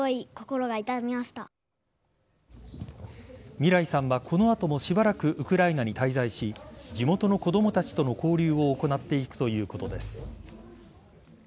望莱さんは、この後もしばらくウクライナに滞在し地元の子供たちとの交流を行っていくということです。